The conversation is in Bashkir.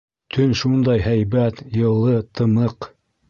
Төн шундай һәйбәт, йылы, тымыҡ.